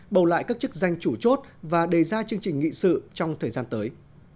bầu lại các chức danh chủ chốt và đề ra chương trình nghị sự trong thời gian tới